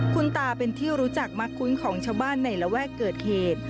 คุณตาเป็นที่รู้จักมักคุ้นของชาวบ้านในระแวกเกิดเหตุ